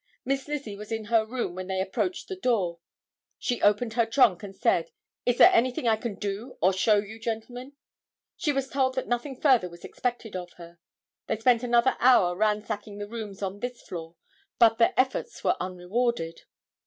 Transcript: Miss Lizzie was in her room when they approached the door. She opened her trunk and said "Is there anything I can do or show you, gentlemen?" She was told that nothing further was expected of her. They spent another hour ransacking the rooms on this floor but their efforts were unrewarded.